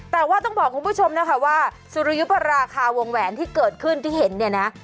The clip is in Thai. แต่ว่าต้องบอกคุณผู้ชมนะคะว่าสุริยุปราคาวงแหวนที่เกิดขึ้นที่เห็นเนี่ยนะ